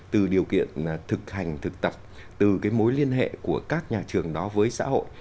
từ điều kiện thực hành thực tập từ cái mối liên hệ của các nhà trường đó với xã hội